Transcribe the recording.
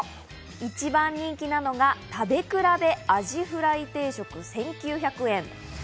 その中でも一番人気なのが、食べ比べアジフライ定食、１９００円。